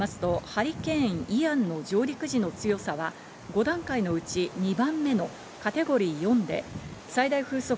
ハリケーン・イアンの上陸時の強さは５段階のうち２番目のカテゴリー４で最大風速